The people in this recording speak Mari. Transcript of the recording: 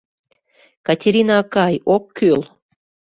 — Катерина акай, ок кӱл!